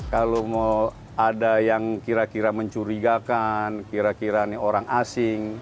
kalau mau ada yang kira kira mencurigakan kira kira ini orang asing